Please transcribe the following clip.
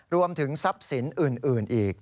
รวมถึงทรัพย์สินอื่นอีก